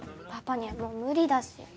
パパにはもう無理だし。